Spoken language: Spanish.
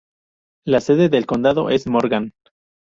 La sede del condado es Morgan.